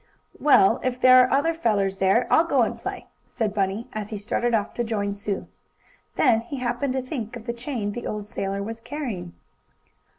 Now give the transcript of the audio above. "Well, if there are other fellers there, I'll go and play," said Bunny, as he started off to join Sue. Then he happened to think of the chain the old sailor was carrying.